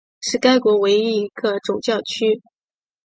是该国唯一一个总教区。